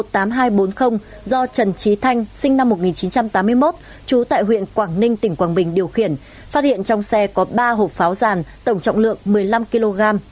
do trần trí thanh sinh năm một nghìn chín trăm tám mươi một trú tại huyện quảng ninh tỉnh quảng bình điều khiển phát hiện trong xe có ba hộp pháo giàn tổng trọng lượng một mươi năm kg